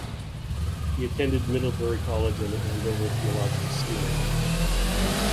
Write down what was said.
He attended Middlebury College and the Andover Theological Seminary.